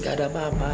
gak ada apa apa